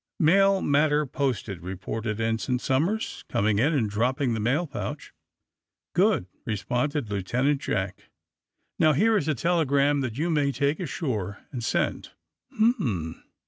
"Mail matter posted," reported Ensign Som ers, coming in and dropping the mail pouch. "Good," responded Lieutenant Jack. "Now, here is a telegram that you may take ashore and send. ''' "Ilm!